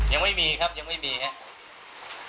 ยังไม่มีครับยังไม่มีครับ